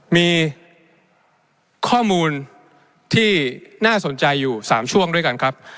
มีข้อมูลที่น่าสนใจอยู่๓ช่วงด้วยกันครับ